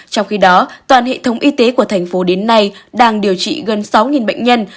trong khi đó toàn hệ thống y tế của thành phố đến nay đang điều trị gần sáu bệnh nhân